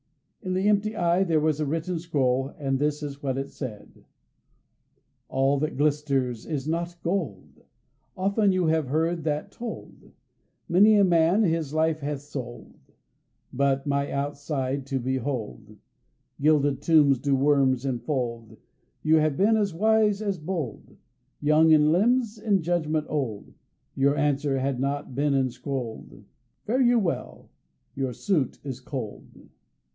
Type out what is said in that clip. In the empty eye there was a written scroll, and this is what it said: "All that glisters is not gold; Often you have heard that told: Many a man his life hath sold But my outside to behold: Gilded tombs do worms infold. Had you been as wise as bold, Young in limbs, in judgment old, Your answer had not been inscrolled. Fare you well; your suit is cold."